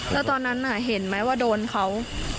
แล้วตอนนั้นเห็นไหมว่าโดนเขา